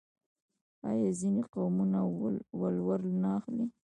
آیا ځینې قومونه ولور نه اخلي؟